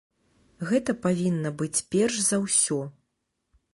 Гэта павінна быць перш за ўсё.